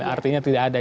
artinya tidak ada